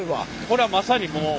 これはまさにもう。